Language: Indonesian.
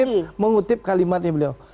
saya mengutip kalimatnya beliau